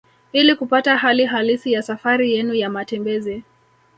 Ili kupata hali halisi ya safari yenu ya matembezi